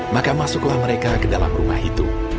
maka masuklah mereka ke dalam rumah itu